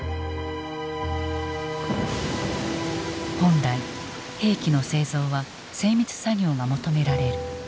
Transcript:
本来兵器の製造は精密作業が求められる。